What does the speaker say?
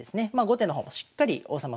後手の方もしっかり王様